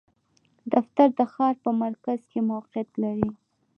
دفتر د ښار په مرکز کې موقعیت لری